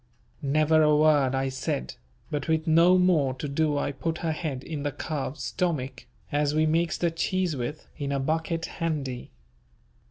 Never a word I said, but with no more to do I put her head in the calves' stommick as we makes the cheese with, in a bucket handy.